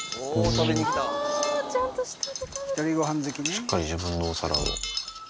しっかり自分のお皿で。